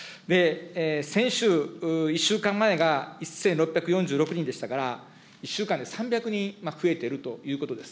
先週１週間前が、１６４６人でしたから、１週間で３００人増えているということです。